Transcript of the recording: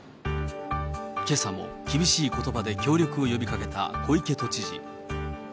けさも厳しいことばで協力を呼びかけた小池都知事。